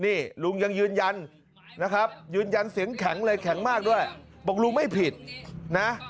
นี่ลุงยังยืนยันนะครับยืนยันเสียงแข็งเลยแข็งมากด้วยบอกลุงไม่ผิดนะ